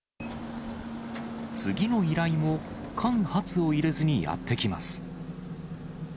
次の依頼も間髪を入れずにやってきます。